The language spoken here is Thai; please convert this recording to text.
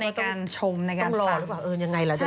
ในการชมในการฟัก